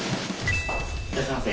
いらっしゃいませ。